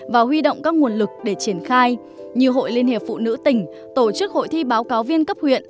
và huy động các nguồn lực để triển khai như hội liên hiệp phụ nữ tỉnh tổ chức hội thi báo cáo viên cấp huyện